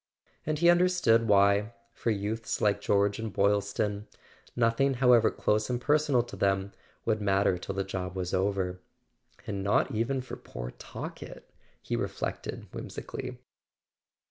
And he understood why, for youths like George and Boylston, nothing, however close and personal to them, would matter till the job was over. "And not even for poor Talkett!" he reflected whimsically.